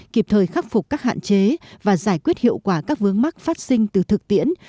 kịp thời khắc phục các hạn chế và giải quyết hiệu quả các vướng mắc phát sinh từ thực tiễn